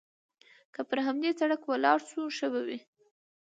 که پر همدې سړک ولاړ شو، ښه به وي.